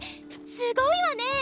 すごいわね。